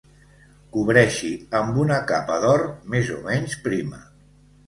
Cobreixi amb una capa d'or més o menys prima.